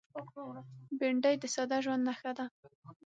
بېنډۍ د ساده ژوند نښه ده